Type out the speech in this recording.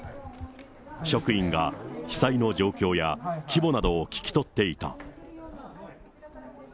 職員が被災の状況や、規模などを聞き取っていた。